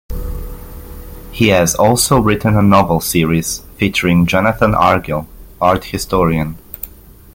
He has also written a novel series featuring Jonathan Argyll, art historian.